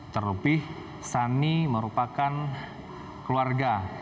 terlebih suni merupakan keluarga